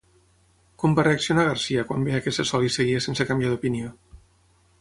Com va reaccionar García quan veia que Sassoli seguia sense canviar d'opinió?